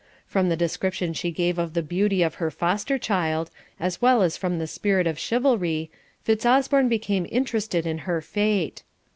From the description she gave of the beauty of her foster child, as well as from the spirit of chivalry, Fitzosborne became interested in her fate.